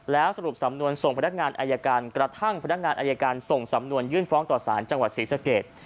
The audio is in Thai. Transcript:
แล้วสรุปสำนวนส่งพนักงานอายการกระทั่งพนักงานอายการส่งสำนวนยื่นฟ้องต่อสารจังหวัดศรีสเกต